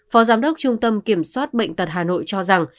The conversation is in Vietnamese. phó giám đốc trung tâm kiểm soát bệnh tật hà nội cho rằng